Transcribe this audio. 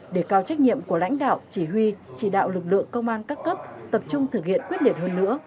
để cao trách nhiệm của lãnh đạo chỉ huy chỉ đạo lực lượng công an các cấp tập trung thực hiện quyết liệt hơn nữa